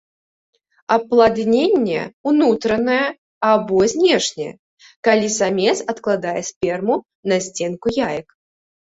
Апладненне ўнутранае або знешняе, калі самец адкладае сперму на сценку яек.